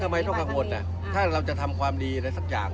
อยู่แล้วก็มีคนที่จะก่อยลุ้มขึ้นชีวิตแดด